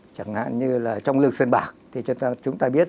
chẳng hạn như là trong lực sân bạc